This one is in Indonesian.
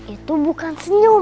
itu bukan senyum